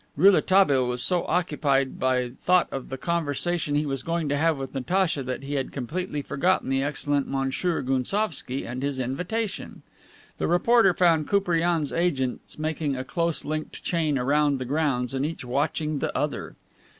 Rouletabille was so occupied by thought of the conversation he was going to have with Natacha that he had completely forgotten the excellent Monsieur Gounsovski and his invitation. The reporter found Koupriane's agents making a close linked chain around the grounds and each watching the other.